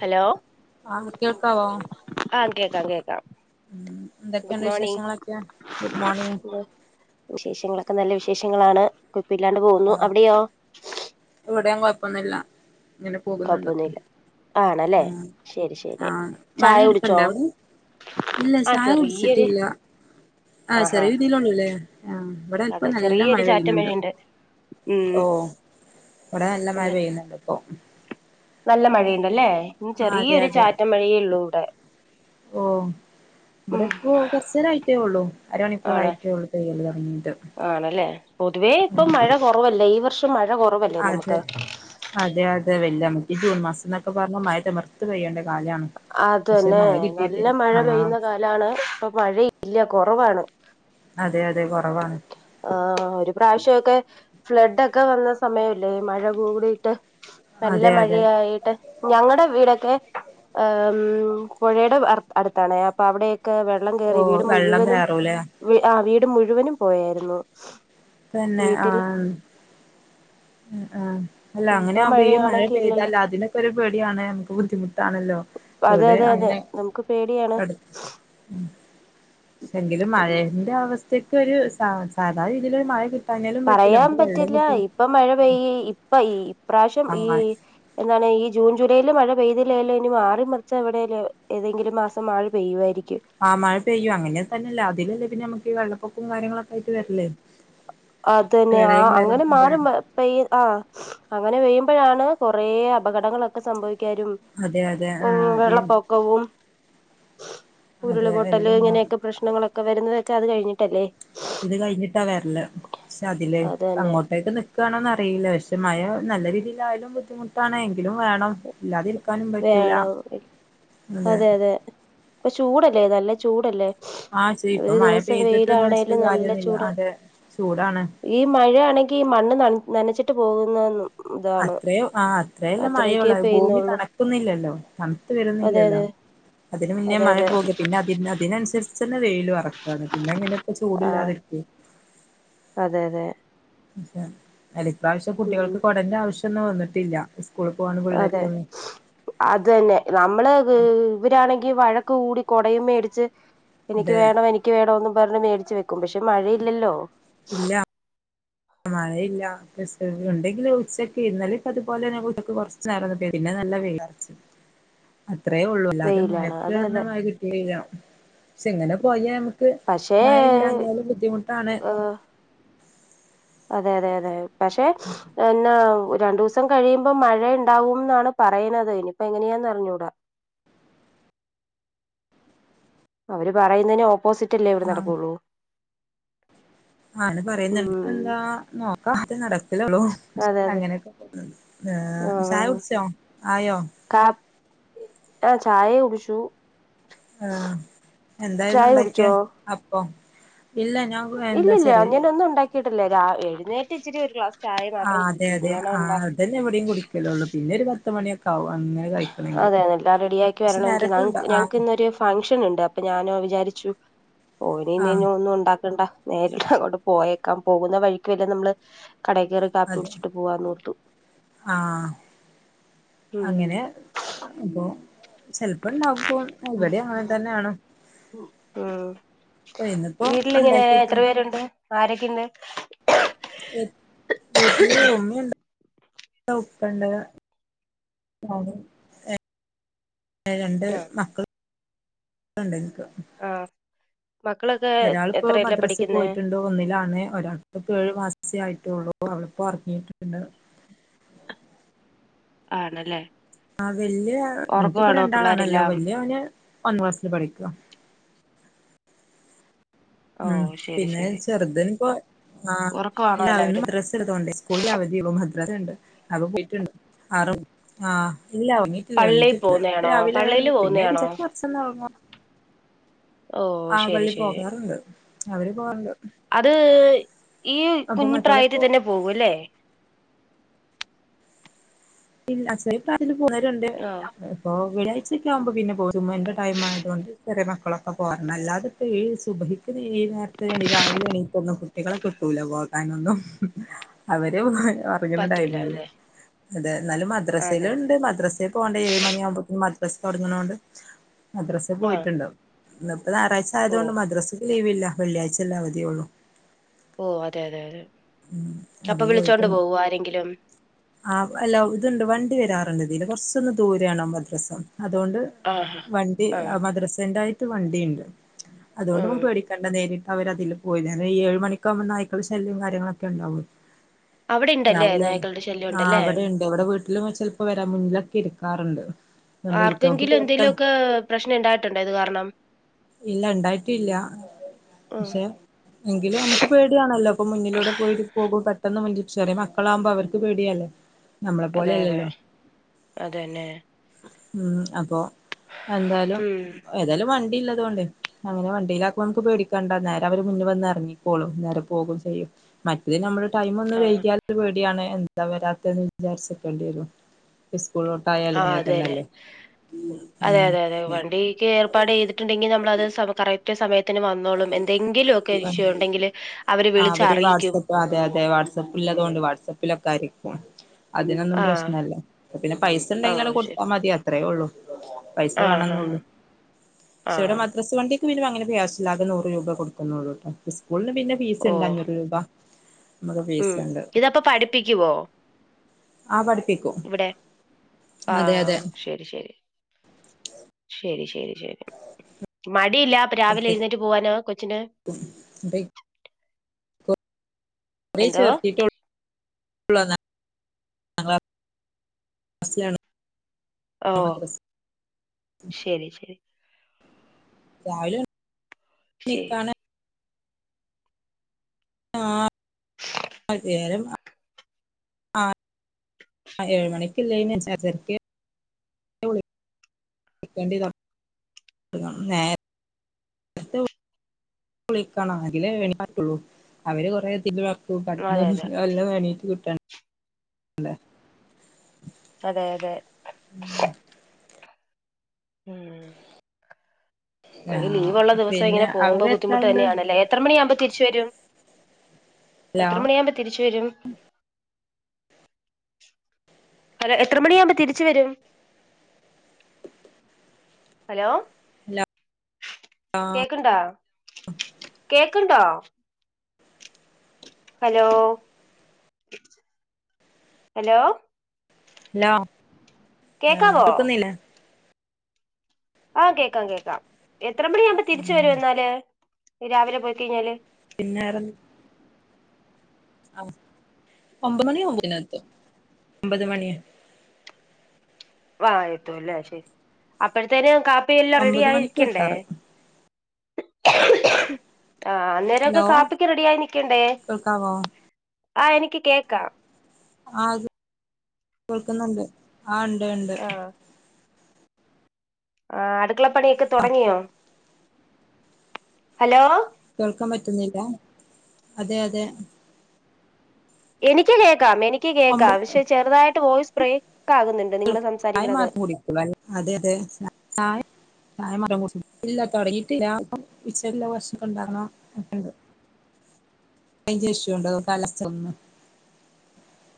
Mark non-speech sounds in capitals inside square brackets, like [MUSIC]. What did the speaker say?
Hello ആഹ് കേൾക്കാവോ ആഹ് കേക്കാം കേക്കാം ഉം എന്തൊക്കെയുണ്ട് ഗുഡ്മോണിങ് വിശേഷങ്ങളൊക്കെ ഗുഡ് മോർണിംഗ് വിശേഷങ്ങളൊക്ക നല്ല വിശേഷങ്ങളാണ് കുഴപ്പല്ലാണ്ട് പോകുന്നു അവിടെയോ? ഇപ്പൊന്നില്ല ഇങ്ങനെ പോകുന്നുണ്ട് കുഴപ്പൊന്നുമില്ല ആണല്ലേ ആഹ് ശരി ശരി ആഹ് മഴ ചായ [UNINTELLIGIBLE] കുടിച്ചോ അവിടെ ഇല്ല ആഹ് ചായ ചെറിയൊരു കുടിച്ചിട്ടില്ല. ആഹ് ആഹാ ചെറിയ രീതിയിലെ ഉള്ളൂ അല്ലേ ആഹ് ഇവിടെ ഇപ്പ അതെ നല്ല മഴ ചെറിയൊരു ചാറ്റൽ പെയ്യുന്നുണ്ട് മഴയുണ്ട് ഉം ഓഹ് ഇവിടെ നല്ല മഴ അതെ പെയ്യുന്നുണ്ട് ഇപ്പൊ നല്ല മഴയുണ്ടല്ലേ ഇ ആഹ് അതെ ചെറിയൊരു അതെ ചാറ്റം മഴയേ ഉള്ളൂ ഇവിടെ ഓഹ് ഉം ഇവിടെപ്പോ കുറച്ചരായിട്ടേ ഉള്ളൂ ആണ് അരമണിക്കൂറായിട്ട് ഉള്ളൂ പെയ്യൽ തുടങ്ങി ആണല്ലേ പൊതുവേ ഇപ്പൊ മഴ കുറവല്ല ഈ വർഷം മഴ കുറവല്ലേ അതെ നമുക്ക് അതെ അതെ വല്ല മറ്റേ ജൂൺ മാസം എന്നൊക്കെ പറഞ്ഞ മഴ തിമർത്ത് പയ്യണ്ടേ അതന്നെ നല്ല മഴ ആഹ് പെയ്യുന്ന കാലാണ് ഇപ്പൊ മഴ ഇല്ല. കുറവാണ് അതെ അതെ കുറവാണ്. ആ ഒരു പ്രാവശ്യമൊക്കെ ഫ്ലഡ് ഒക്കെ വന്ന സമയമില്ലേ ഈ മഴ കൂടിട്ട് നല്ല അതെ അതെ മഴയായിട്ട് ഞങ്ങടെ വീടൊക്കെ പുഴയുടെ അടു അടുത്താണ് അപ്പൊ അവിടെ യൊക്കെ വെള്ളം ഓ കയറി വീട് വെള്ളം മുഴുവനും കയറൂലേ ആ വീട് മുഴുവനും പോയാരുന്നു പിന്നെ ആഹ് ആഹ് അല്ല ഇപ്പൊ അങ്ങനെയാകുമ്പോ ഈ മഴ മഴയാണെങ്കി ഇല്ലല്ലോ പെയ്താല് അതിനൊക്കെ ഒരു പേടിയാണ് നമുക്ക് ബുദ്ധിമുട്ടാണല്ലോ അതെ ഇവിടെ അതെ അതെ നമുക്ക് പേടിയാണ് ഉം [UNINTELLIGIBLE] എങ്കിലും മഴന്റെ അവസ്ഥക്ക് ഒരു സാധാരണ രീതിയിൽ ഒരു മഴ കി പറയാൻ പറ്റില്ല ഇപ്പൊ മഴ പെയ്യ ഇപ്പൊ ഈ പ്രാവശ്യം ഈ ആഹ് എന്താണ് ഈ ജൂൺ ജൂലൈല് മഴ പെയ്തില്ലേല് ഇനി മാറിമറിച്ച് എവിടേലും ഏതെങ്കിലും മാസം മഴ പെയ്യുവായിരിക്കും ആ മഴ പെയ്യും അങ്ങനെ തന്നെയല്ല അതിലല്ലേ പിന്നെ നമുക്ക് ഈ വെള്ളപ്പൊക്കവും കാര്യങ്ങളൊക്കെ ആയിട്ട് വരില്ലേ അതന്നെ ആ പ്രളയം വരും അങ്ങനെ അതെ മാറി പെയ്യും ആ അങ്ങനെ പെയ്യും അപ്പോഴാണ് കുറേ അപകടങ്ങളൊക്കെ സംഭവിക്കാനും അതെ അതെ ആ ഉം ഈ വെള്ളപ്പൊക്കവും ഉരുള് അതെ പൊട്ടല് എല്ലാം ഉണ്ടാവും ഇങ്ങനെയൊക്കെ പ്രശ്നങ്ങളൊക്കെ വരുന്നതൊക്കെ അത് കഴിഞ്ഞിട്ടല്ലേ ഇത് കഴിഞ്ഞിട്ടാ വരല് പക്ഷെ അതില് അത് തന്നെ അങ്ങോട്ടേക്ക് നിക്കുവാണോന്ന് അറിയില്ല പക്ഷെ മഴ നല്ല രീതിയിലായാലും ബുദ്ധിമുട്ടാണ് എങ്കിലും വേണം ഇല്ലാതിരി വേണം അതെ അതെ ഇപ്പ ചൂടല്ലേ നല്ല ചൂടല്ലേ ആ ഒരു ഇപ്പം മഴ ദിവസം പെയ്തിട്ടൊന്ന് വെച്ചിട്ട് വെയിലാണേലും നല്ല കാര്യൊന്നുമില്ല ചൂടാണ് അതെ ചൂടാണ് ഈ മഴയാണെങ്കി ഈ മണ്ണ് ന നനച്ചിട്ട് പോകുന്നതെന്നും അത്ര ആ അത്രയല്ലേ മഴയുള്ളൂ ഭൂമി പെയ്യുന്നുള്ളൂ തണുക്കു ന്നില്ലല്ലോ തണുത്ത് അതെ വരുന്നില്ലല്ലോ അതെ അതിന് മുന്നേ അതെ മഴ അതെ പോകും പിന്നെ അതിന് അതിനനുസരിച്ച് തന്നെ വെയിലും ഇറങ്ങും അതാണ് പിന്നെ ഇങ്ങനെ ഇപ്പ ആഹ് ചൂടില്ലാതിരിക്കും അതെ അതെ അല ഇപ്രാവശ്യം ഉം കുട്ടികൾക്ക് കൊടന്റെ ആവശ്യ ഒന്നും വന്നിട്ടില്ല. സ്കൂളിൽ പോകണ അതെ. പിള്ളേർക്കൊന്നും അത് തന്നെ നമ്മള് ഇവരാണെങ്കി ഈ വഴക്ക് കൂടി കൊടയും മേടിച്ച്. എനിക്ക് അതെ വേണം എനിക്ക് വേണോന്ന് പറഞ്ഞ് മേടിച്ച് വെക് ക്കും. പക്ഷെ മഴയില്ലല്ലോ. ഇല്ല മഴയില്ല [UNINTELLIGIBLE] ഉണ്ടെങ്കില് ഉച്ചക്ക് ഇന്നലിം ഇപ്പ അതുപോലെയന്നെ വീട്ട്ക്ക് കൊർച്ച് നേരം [UNINTELLIGIBLE] പിന്നെ നല്ല വെ [UNINTELLIGIBLE] അത്രയേ ഉള്ളൂ. അല്ലാതെ വെയിലാണ് മഴയ്ക്ക് അതെ അർഞ അതെ കാര്യം കിട്ടിയല്ല. ക്ഷെ ഇങ്ങനെ പോയ ക്ക് പക്ഷേ മഴ ഇല്ലാഞ്ഞാലും ബുദ്ധിമുട്ടാണ്. ഏഹ് അതെ അതെ അതെ പക്ഷെ എന്നാ രണ്ടുസം കഴിയുമ്പോ മഴ ഇണ്ടാവും എന്നാണ് പറയിണത്. ഇനിപ്പോ എങ്ങനെയാന്ന് അറിഞ്ഞൂടാ. അവര് പറയുന്നന് ഓപ്പോസിറ്റ് അല്ലേ ഇവിടെ ആ നടക്കുള്ളൂ. ആണ് പറയുന്നു ഉം എന്താ നോക്കാ നടക്ക [UNINTELLIGIBLE] അതെ അതെ അങ്ങനെയക്കെ ആ ചായ കുടിച്ചോ ആയോ ആ ചായ കുടിച്ചു ആ എന്തായിരുന്നു ചായ ഉണ്ടക്കിയേ അപ്പൊ ഇല്ല ഇല്ല ഞാൻ ഒന്നും ഉണ്ടാക്കിയിട്ടില്ല എഴുന്നേറ്റ് ഇച്ചരി ഒരു ക്ലാസ് ചായ മാത്രം ആഹ് അതെ കുടിച്ചുനി അതെ വേണം ആഹ് ഉണ്ടാക്ക അതന്നെ ഇവിടെയും കുടിക്കലുള്ളൂ പിന്നെ ഒരു പത്ത് മണിയൊക്കെ ആവും അങ്ങനെ കഴിക്കണെങ്കില് അതെയതെ എല്ലാം റെഡി ആക്കി പക്ഷെ നേരത്തെ ഉണ്ട വരണങ്കിഞങ്ങക്ക് ഞങ്ങക്ക് ആഹ് ഇന്നൊരു ഫംഗ്ഷൻ ഉണ്ട് അപ്പൊ ഞാനോ വിചാരി ആഹ് [UNINTELLIGIBLE] ഒന്നും ഉണ്ടാക്കണ്ട നേരിട്ട് അങ്ങോട്ട് പോയേക്കാം പോകുന്ന വഴിക്ക് വല്ല നമ്മള് കട കയറി കാപ്പി അതെ കുടിച്ചിട്ട് പോവാന്നോർത്തു ആഹ് ഉം അപ്പോ ചെലപ്പം ഇണ്ടാക്കും ഇവടിം അങ്ങനെ തന്നെയാണ് ഉം ഇന്നിപ്പോ ഉണ്ടാക്കിട്ടുണ്ട് പിന്നെ എ വീട്ടില ഉമ്മണ്ട് ഉപ്പണ്ട് [UNINTELLIGIBLE] രണ്ട് മക്കള ഉണ്ട്നിക്ക് ആ ഒരാളിപ്പോ മദ്രാസിൽ പോയിട്ടുണ്ട് ഒന്നിലാണ് ഒരാൾ ഇപ്പോ ഏഴു മാസെ ആയിട്ടുള്ളൂ അ അവളിപ്പൊ ഉറങ്ങിയിട്ടുണ്ട് ആണല്ലേ ആ വല്യ ഇൻകിപ്പ ഉറക്കമാണോ രണ്ടാളാണല്ലോ പിള്ളേരെല്ലാം വല്യ അവന് ഒന്ന ക്ലാസ്സില് പഠിക്ക ഓ ഉം ശരി പിന്നെ ശരി ചെറുതിന് പോ ആഹ് ഉറക്കമാണോ ഇല്ല അവന്ന് എല്ലാവരും മദ്രസ് ഇള്ളൊണ്ട് സ്കൂളിൽ അവധിയൊള്ളു മദ്രസുണ്ട് അത് [UNINTELLIGIBLE] അറും ആ ഇല്ല ണീട്ടില്ല പള്ളിയിൽ എണീറ്റില്ല പോകുന്നയാണോ പള്ളിയില് പോകുന്നയാണോ [UNINTELLIGIBLE] ഓ ആ ശരി പള്ളി ശരി പോകാറുണ്ട് അവര് പോകാറുണ്ട് അത് ഈ അപ്പൊ കുഞ്ഞിപ്രായത്തിൽ മറ്റോളിപ്പോ തന്നെ പോകും അല്ലേ ഇല്ല [UNINTELLIGIBLE] അതില് പോന്നരുണ്ട് [UNINTELLIGIBLE] ആ ച്ച ആകുമ്പോ പിന്നെ ജുമുഅന്റെ ടൈം ആയതുകൊണ്ട് ചെറ മക്കളൊക്കെ പോവാറുണ്ട് അല്ലാതെപ്പം ഈ സുബ്ഹിക്ക് നീ നേരത്തണ രാവിലെ എണീ ഇപ്പൊന്നും കുട്ടികളെ കിട്ടൂല പോകാനൊന്നും അവര് പോ ഒറങ്ങണ പറ്റൂല ടൈമല്ലെ അതെ അതെ എന്നാലും അതെ മദ്രസയിലും അതെ ഉണ്ട് മദ്രസയിൽ പോകണ്ട ഏഴ് മണിയാകുമ്പോഴത്തക്കും മദ്രസ്സ തുടങ്ങുന്നതോണ്ട് മദ്രാസിൽ ആ പോയിട്ടുണ്ട് ഇന്നിപ്പോ ഞായറാഴ്ച ഓ ആയതുകൊണ്ട് മദ്രസ്സ ക്കൊയവില്ല വെള്ളിയാഴ്ച അല്ലെ അവധിയൊള്ളൂ ഓ അതെ അതെ അതെ അപ്പൊ വിളിച്ചോണ്ട് പോവോ ആരെങ്കിലും ആ അല്ല ഇതുണ്ട് വണ്ടി വരാറുണ്ട് ഇതില് കൊറച്ചൊന്ന് ദൂരണോ മദ്രസ അതുകൊണ്ട് ആ വണ്ടി ആ മദ്രസന്റെയിട്ട് വണ്ടിണ്ട് അതുകൊണ്ട്പ്പം ഉം പേടിക്കണ്ട നേരിട്ട് അവര് അതില് പോയി ഏഴ മണക്കകുമ്പോ നായ്ക്കള് ശല്യം കാര്യങ്ങളൊക്കെ ഒക്കെണ്ടാവും അവിടെ ഇണ്ടല്ലേ രാവിലെെ നായ്ക്കളുടെ ശല്യം ആ ഉണ്ടല്ലേ അവിടെണ്ട് ഇവിടെ വീട്ടില് ചിലപ്പോ വരാ മുന്നിലൊക്കെ ഇരിക്ക ക്കാറുണ്ട് ആർക്കെങ്കിലും എന്തെങ്കലുമൊക്കെ പ്രശ്നം ഉണ്ടായിട്ടുണ്ടോ ഇത് കാരണം ഇല്ല ഇണ്ടായിട്ടല്ല ഉം പക്ഷെ എങ്കിലും നമുക്ക് പേടിയാണല്ലോ അപ്പൊ മുന്നിലൂടെ [UNINTELLIGIBLE] പെട്ടെന്ന് [UNINTELLIGIBLE] മക്കളാവുമ്പൊ അവർക്ക് പേടിയല്ലേ നമ്മളെ അതെ അതെ പോലെയല്ലല്ലോ അതന്നെ ഉം അപ്പൊ എന്തായാലും ഉം ഏതായാലും വണ്ടില്ല ണ്ട് അങ്ങനെ വണ്ടിയിലാക്കുമ്പോ നമുക്ക് പേടിക്കണ്ട നേരം അവര് മുന്ന വന്ന് ഇറങ്ങിക്കോളും നേരെ പോകും ചെയ്യും മറ്റത് നമ്മൾ ടൈം ഒന്ന് ആ വൈകിയാല് പേടിയാണ് എന്താ വരാത്തെന്ന് വിചാരിച്ച്ക്കേണ്ടി വരും കൂളിലോട്ടായാലും ആ അങ്ങനെ അതെന്നെ തന്നെല്ലേ. അതെ അതെ അതെ വണ്ടീക്ക് ഏർപ്പാട് ചെയ്തിട്ടുണ്ടെങ്കിൽ നമ്മളത് കറക്റ്റ് സമയത്ത് ത്തിന് വന്നോളും. എന്തെങ്കിൽ ഒക്കെ ഇഷ്യ ആഹ് ഉണ്ടെങ്കില് അവര് വിളിച്ചറിയിക്കും. ണ്ട് അതോണ്ട് വാട്സപ്പിലൊക്കെ ആയ് അതിനൊന്നും ആ പ്രശ്നല്ല. പിന്നെ പൈസ ഓ ഉണ്ടെങ്കിൽ അവിടെ ശരി കൊടുത്താൽ മതി അത്രയേ ഉള്ളൂ. പൈസ ആ ആ വേണന്നൊള്ളൂ. ആ പക്ഷെ ഇവിടെ മദ്രസ് വണ്ടിയ്ക്ക് പിന്നെ അങ്ങനെ [UNINTELLIGIBLE] രൂപ കൊടുക്കുന്നുള്ളൂ ട്ടോ. സ്കൂളിന് പിന്നെ ഫീസ് ഓ ഇണ്ട് അഞ്ഞൂറ് രൂപ. നമുക്ക് ഫീസ് ഉം ഉണ്ട് ഇതപ്പൊ പഠിപ്പിയ്ക്കുവോ? ആ പഠിപ്പിക്കും ഇവിടെ. അതെ അതെ ആഹ് ശരി ശരി. ശരി ശരി ശരി മാ ണ്ടില്ല അപ്പൊ രാവിലെ എഴുന്നേറ്റ് പോവാനോ കൊച്ചിന്റെ [UNINTELLIGIBLE] ചേർത്തിട്ടോള്- [UNINTELLIGIBLE] ഓഹ് ശരി ശരി- രാവിലെ - ശരി- ആഹ് [UNINTELLIGIBLE] ആഹ് - ആഹ് ഏഴ് മണിക്ക്ല്ലൈന [UNINTELLIGIBLE] ള് വിളിക്കണ്ടീതാ- [UNINTELLIGIBLE] നേരത്തെ കുളിക്കണം അതിലേ ഇല്ലാട്ടുള്ളൂ അവര് കൊറേ തിന്നണം അതെ അതെ - [UNINTELLIGIBLE] അല്ല- അതെ അതെ- മ് - ഒര് ആഹ് ലീവൊള്ള ദിവസം പിന്നെ ഇങ്ങനെ പോകുമ്പോ അവിടെ എത്ര ബുദ്ധിമുട്ട് ആളുണ്ട് തന്നെയാണല്ലേ എത്ര മണിയാമ്പ്- തിരിച്ച് വരും ഹലോ എത്ര മണിയാമ്പം തിരിച്ച്- വെരും- ഹലോ എത്ര മണിയാമ്പം തിരിച്ച് വരും- ഹലോ - കേക്ക്ണ്ടാ കേക്ക്ണ്ടോ? ഹലോ ഹലോ- ലോ ആ കേക്കാവോ കേക്കുന്നില്ല- ആഹ് കേക്കാം കേക്കാം എത്ര മണി ആമ്പം തിരിച്ച് വരും എന്നാല് രാവിലെ പോയി കഴിഞ്ഞാല്- പിന്നാരാ ആഹ് ഒമ്പത് മണി ആവുമ്പത്തിനെത്തും ഒമ്പത് മണിയാ വാ എത്തൂല്ലേ ശരി അപ്പഴത്തേന് കാ കാപ്പി എല്ലാം റെഡി ഒമ്പത് ആയി മണിക്ക് നിക്കണ്ടേ? എത്താറ് ആ അന്നരോക്കെ ഹലോ കാപ്പിക്ക് റെഡി ആയി നിക്കണ്ടേ? കേൾക്കാവോ ആ എനിക്ക് കേക്കാം ആഹ് കേക്ക്ന്ന്ണ്ട് ആഹ് ഇണ്ട് ഇണ്ട് ആഹ് ആഹ് അടുക്കളപ്പണിയൊക്കെ തൊടങ്ങിയോ? ഹലോ കേൾക്കാൻ പറ്റുന്നില്ല? അതെ അതെ. എനിക്ക് കേക്കാം എനിക്ക് കേക്കാം ഒമ്പത് പക്ഷെ ചെറുതായിട്ട് വോയിസ് ബ്രേ ചായ മാത്രം കുടിക്കുളളൂ അതെ അതെ ചായ ചായ മാത്രം കുടിച്ച് ഇല്ല തൊടങ്ങീട്ടില്ല ഉച്ചക്കുള്ള ഭക്ഷണം ഇണ്ടാക്കണം, ഒക്കെണ്ട്. റേഞ്ച് ഇഷ്യു ഇണ്ടോ കാലാസ്ഥ [UNINTELLIGIBLE]